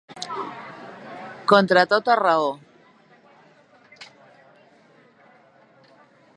Contra tota raó.